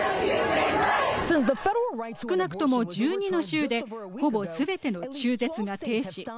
少なくとも１２の州でほぼすべての中絶が停止。